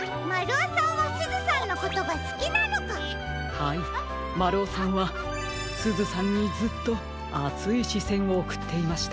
はいまるおさんはすずさんにずっとあついしせんをおくっていました。